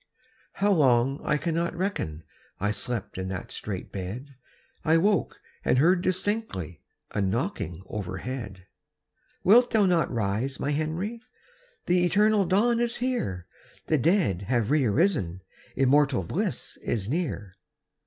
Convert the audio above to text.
How long I cannot reckon, I slept in that strait bed; I woke and heard distinctly A knocking overhead. "Wilt thou not rise, my Henry? The eternal dawn is here; The dead have re arisen, Immortal bliss is near."